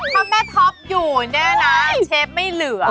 ถ้าแม่ท็อปอยู่เนี่ยนะเชฟไม่เหลือ